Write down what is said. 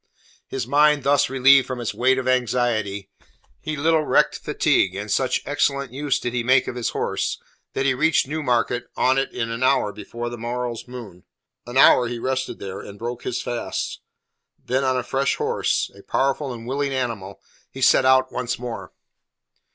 His mind thus relieved from its weight of anxiety, he little recked fatigue, and such excellent use did he make of his horse that he reached Newmarket on it an hour before the morrow's moon. An hour he rested there, and broke his fast. Then on a fresh horse a powerful and willing animal he set out once more.